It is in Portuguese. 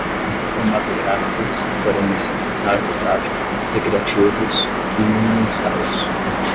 cromatográficas, forense, narcotráfico, recreativos, imunoensaios